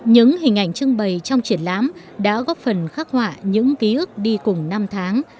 những hình ảnh trưng bày trong triển lãm đã góp phần khắc họa những ký ức đi cùng năm tháng